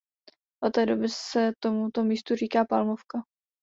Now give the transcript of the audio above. Od té doby se tomuto místu říká Palmovka.